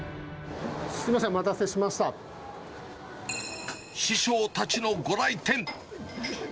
すみません、師匠たちのご来店。